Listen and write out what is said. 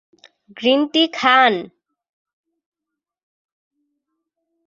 Green tea Khan.